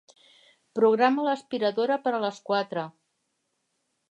Programa l'aspiradora per a les quatre.